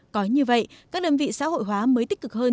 có như vậy các đơn vị xã hội hóa mới tích cực hơn